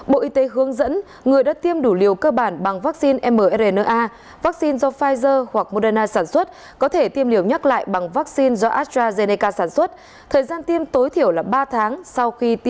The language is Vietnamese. bộ y tế hướng dẫn người đã tiêm đủ liều cơ bản bằng vaccine mrna vaccine do pfizer hoặc moderna